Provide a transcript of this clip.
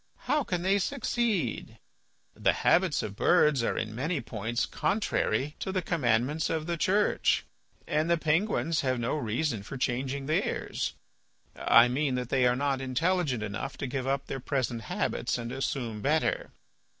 How can they succeed? The habits of birds are, in many points, contrary to the commandments of the Church, and the penguins have no reason for changing theirs. I mean that they are not intelligent enough to give up their present habits and assume better."